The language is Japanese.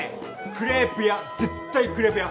クレープ屋絶対クレープ屋！